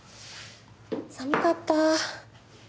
寒かった。